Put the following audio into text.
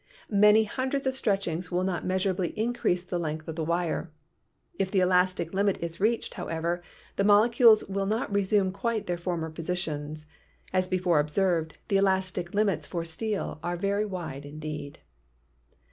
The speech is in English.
Many hundreds of stretchings will not measurably increase the length of the wire. If the elastic limit is reached, however, the mole cules will not resume quite their former positions. As before observed, the elastic limits for steel are very wide indeed.